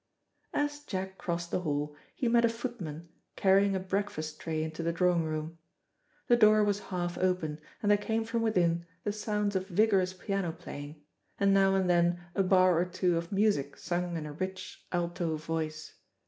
As Jack crossed the hall, he met a footman carrying a breakfast tray into the drawing room. The door was half open, and there came from within the sounds of vigorous piano playing, and now and then a bar or two of music sung in a rich, alto voice.